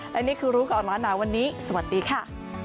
และนี่คือรู้ก่อนร้อนหนาวันนี้สวัสดีค่ะ